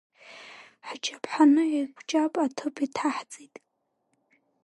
Ҳџьаԥҳаны еиқәҷаб аҭыԥ иҭаҳҵеит.